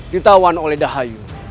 ditawan oleh dahayu